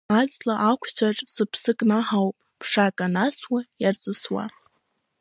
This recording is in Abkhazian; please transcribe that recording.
Аҵла ақәцәаҿ сыԥсы кнаҳауп, ԥшак анасуа иарҵысуа.